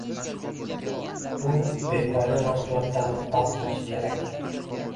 Bu befoyda mashg‘ulotlarni bas qilish kerak.